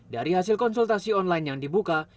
dari hasil konsultasi online yang dibuka